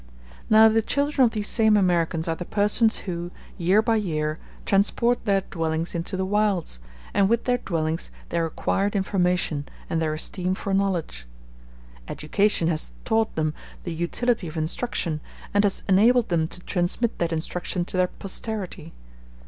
Now the children of these same Americans are the persons who, year by year, transport their dwellings into the wilds; and with their dwellings their acquired information and their esteem for knowledge. Education has taught them the utility of instruction, and has enabled them to transmit that instruction to their posterity.